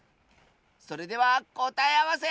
それではこたえあわせ！